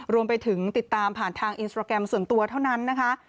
รวมไปถึงติดตามผ่านทางอินสตราแกรมส่วนตัวเท่านั้นนะคะ